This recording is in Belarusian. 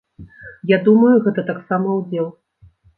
Я думаю, гэта таксама ўдзел.